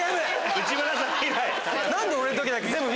内村さん以来。